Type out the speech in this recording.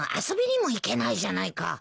遊びにも行けないじゃないか。